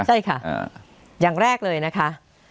ใช่ค่ะอย่างแรกเลยนะคะ